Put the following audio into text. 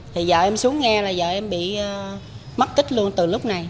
thì vợ em xuống nghe là vợ em bị mất tích luôn từ lúc này